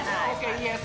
イエス！